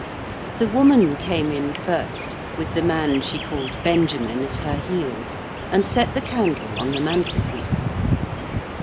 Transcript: The woman came in first, with the man she called Benjamin at her heels, and set the candle on the mantel piece.